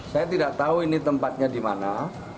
saya tidak tahu ini tempatnya dimana